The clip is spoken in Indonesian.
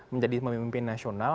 menjadi pemimpin nasional